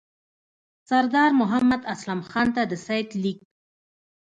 سردار محمد اسلم خان ته د سید لیک.